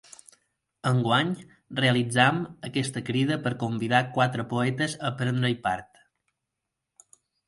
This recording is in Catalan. Enguany, realitzem aquesta crida per convidar quatre poetes a prendre-hi part.